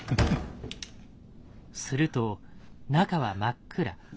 すると中は真っ暗。